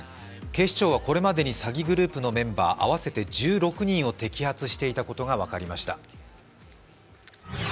警視庁はこれまでに詐欺グループのメンバー合わせて１６人を摘発していたことが分かりました。